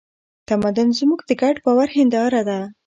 تمدن زموږ د ګډ باور هینداره ده.